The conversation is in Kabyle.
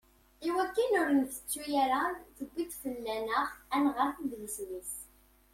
Iwakken ur t-ntettu ara, tuwi-d fell-aneɣ ad nɣer idlisen-is.